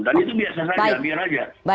dan itu biasa saja biar aja